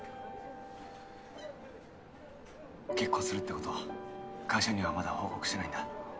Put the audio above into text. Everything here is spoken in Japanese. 結婚するってこと会社にはまだ報告してないんだ。